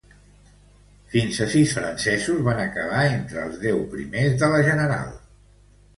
Fins a sis francesos van acabar entre els deu primers de la general.